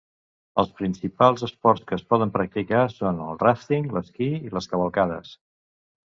Els principals esports que es poden practicar són el ràfting, l'esquí i les cavalcades.